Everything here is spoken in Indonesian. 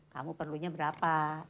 kamu perlunya berapa